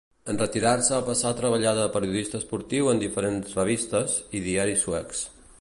En retirar-se passà a treballar de periodista esportiu en diferents revistes i diaris suecs.